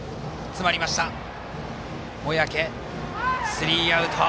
スリーアウト。